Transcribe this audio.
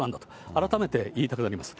改めて言いたくなります。